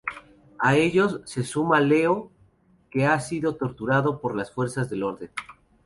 A ellos se suma Leo, que ha sido torturado por las fuerzas del orden.